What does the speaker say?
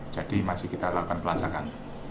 jadi masih kita lakukan pelancarkan